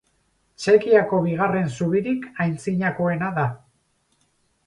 Txekiako bigarren zubirik antzinakoena da.